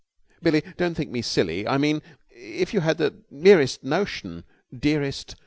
"Billie, don't think me silly ... I mean ... if you had the merest notion, dearest